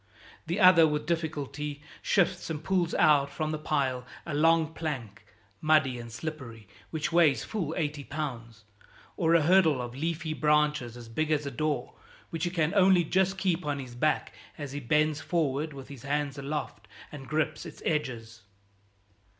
The other with difficulty shifts and pulls out from the pile a long plank, muddy and slippery, which weighs full eighty pounds, or a hurdle of leafy branches as big as a door, which he can only just keep on his back as he bends forward with his hands aloft and grips its edges.